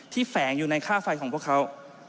แฝงอยู่ในค่าไฟของพวกเขา